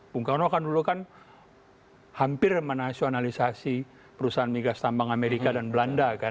bung karno kan dulu kan hampir menasionalisasi perusahaan migas tambang amerika dan belanda kan